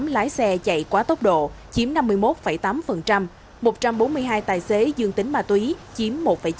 ba tám trăm bảy mươi tám lái xe chạy quá tốc độ chiếm năm mươi một tám một trăm bốn mươi hai tài xế dương tính ma túy chiếm một chín